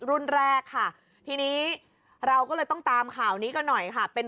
รุ่นแรกค่ะทีนี้เราก็เลยต้องตามข่าวนี้กันหน่อยค่ะเป็น